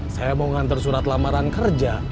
saya mau mengantar surat lamaran kerja